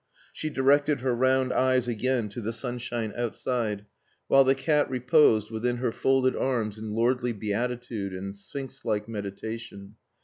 She directed her round eyes again to the sunshine outside, while the cat reposed within her folded arms in lordly beatitude and sphinx like meditation.